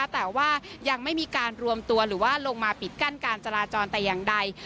แต่ว่ายังไม่มีการรวมตัวหรือว่าลงมาปิดกั้นการจราจรแต่อย่างใด